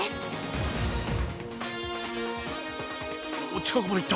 近くまで行った。